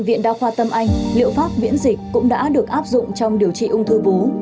qua khoa tâm anh liệu pháp biễn dịch cũng đã được áp dụng trong điều trị ung thư vú